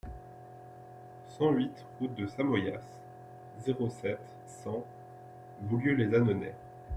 cent huit route de Samoyas, zéro sept, cent, Boulieu-lès-Annonay